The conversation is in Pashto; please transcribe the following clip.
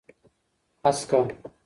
هسکه